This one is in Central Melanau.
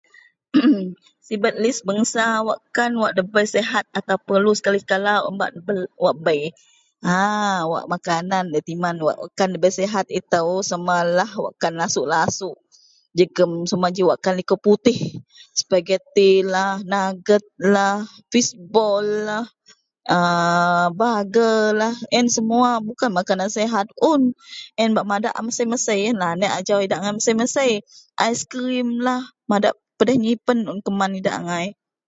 Emm sibet lih bangsa wakkan wak debei sihat atau perlu sekali-sekala un wak wak bei ... aaa..wak makanan laei timan wakkan laei lasuok-lasuok jegum sama ji wakkan liko putih sepgatilah nuggetlah fishball lah ...aaaa...burgerlah iyen semua bukan makanan sihat un iyen bak madak a mesei-mesei iyenlah idak anek ajau mesei-mesei, aiskrimlah madak pedeh nyipen un keman idak angai.